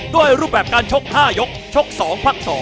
รูปแบบการชก๕ยกชก๒พัก๒